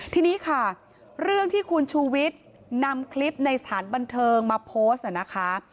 ทีนี้ค่ะเรื่องที่คุณชูวิทย์นำคลิปในสถานบันเทิงมาโพสต์นะคะ